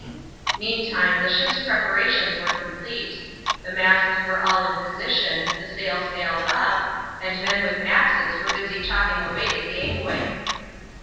Meantime the ship's preparations were complete. The masts were all in position, the sails nailed up, and men with axes were busily chopping away the gangway.